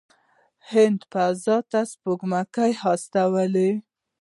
هند فضا ته سپوږمکۍ واستولې.